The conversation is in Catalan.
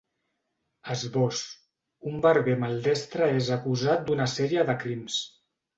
Esbós: Un barber maldestre és acusat d’una sèrie de crims.